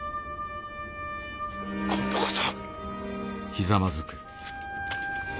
今度こそ。